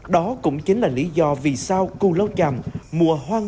đó cũng chính là lý do vì sao cù lao chàm mua hoa ngô đồng